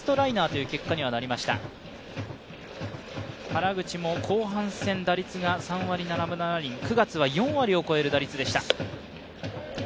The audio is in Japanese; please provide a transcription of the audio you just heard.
原口も後半戦、打率が３割７厘、９月は４割を超える打率でした。